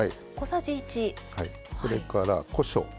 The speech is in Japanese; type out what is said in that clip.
それからこしょう。